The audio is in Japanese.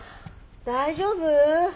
大丈夫？